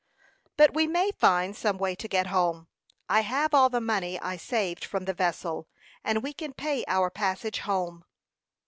"But we may find some way to get home. I have all the money I saved from the vessel, and we can pay our passage home."